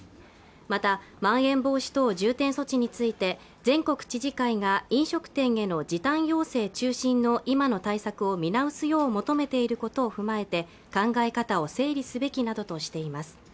またまん延防止等重点措置について全国知事会が飲食店への時短要請中心の今の対策を見直すよう求めていることを踏まえて考え方を整理すべきなどとしています